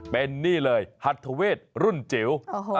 เป็นนี่เลยฮัทเทอเวศรุ่นเจ๋ว